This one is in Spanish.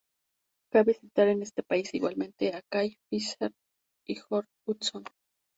Cabe citar en este país igualmente a Kay Fisker y Jørn Utzon.